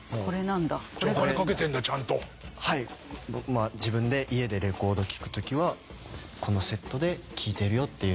まあ自分で家でレコード聴く時はこのセットで聴いてるよっていうのを。